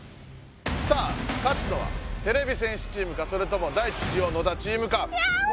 さぁ勝つのはてれび戦士チームかそれともダイチ・ジオ野田チームか。やおねがい！